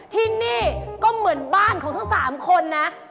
ที่นี่ก็เหมือนบ้านของทั้ง๓คนนะ